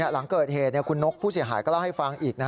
หลังเกิดเหตุคุณนกผู้เสียหายก็เล่าให้ฟังอีก